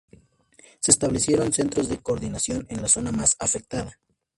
Se establecieron centros de coordinación en la zona más afectada.